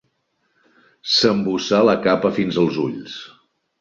S'emboçà la capa fins als ulls.